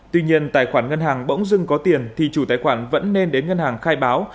tuy nhiên tài khoản ngân hàng bỗng dưng có tiền thì chủ tài khoản vẫn nên đến ngân hàng khai báo